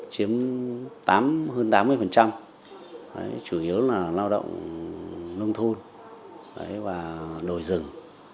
chiếm hơn tám mươi chủ yếu là lao động nông thôn và đồi rừng